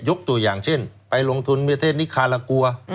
ตัวอย่างเช่นไปลงทุนประเทศนิคาลากัว